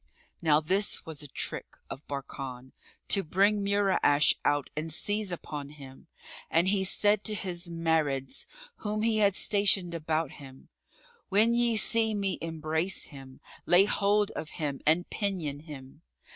Now this was a trick[FN#36] of Barkan, to bring Mura'ash out and seize upon him, and he said to his Marids, whom he had stationed about him, "When ye see me embrace him,[FN#37] lay hold of him and pinion him."